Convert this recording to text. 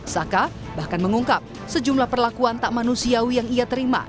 saka bahkan mengungkap sejumlah perlakuan tak manusiawi yang ia terima